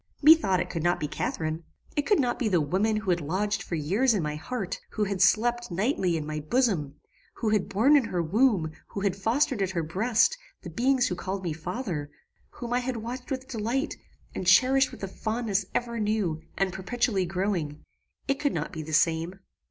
Methought it could not be Catharine. It could not be the woman who had lodged for years in my heart; who had slept, nightly, in my bosom; who had borne in her womb, who had fostered at her breast, the beings who called me father; whom I had watched with delight, and cherished with a fondness ever new and perpetually growing: it could not be the same.